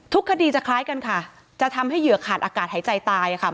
คดีจะคล้ายกันค่ะจะทำให้เหยื่อขาดอากาศหายใจตายค่ะ